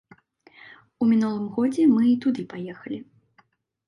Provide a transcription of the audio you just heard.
У мінулым годзе мы туды паехалі.